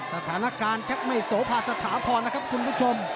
สถานการณ์แชทไม่โสภาสถาพรนะครับคุณผู้ชม